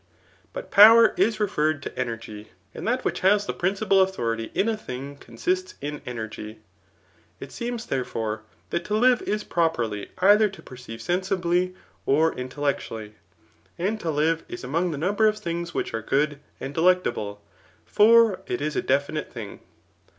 But power is referred to energy ; and that which has the principal authority in a thing consists in energy, ft seems, therefore, that to live is properly either to perceive sensibly, or intellectually ; and to live is among the num ber of things which are good and delectable; for it is a definite thing.